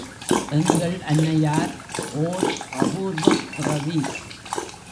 எங்கள் அன்னையார் ஒர்.அபூர்வப்பிறவி.